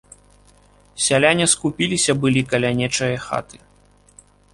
Сяляне скупіліся былі каля нечае хаты.